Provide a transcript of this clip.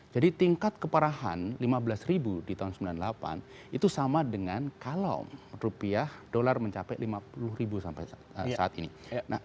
jadi tingkat keparahan lima belas ribu di tahun seribu sembilan ratus sembilan puluh delapan itu sama dengan kalau rupiah dolar mencapai lima puluh ribu sampai saat ini